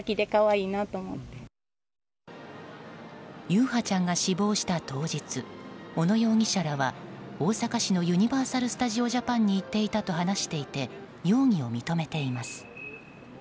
優陽ちゃんが死亡した当日小野容疑者らは大阪市のユニバーサル・スタジオ・ジャパンに行っていたと話していて容疑を認めています。